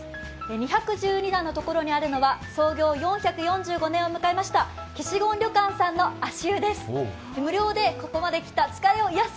２１２段のところにあるのは創業４４５年を迎えました岸権旅館さんの足湯です。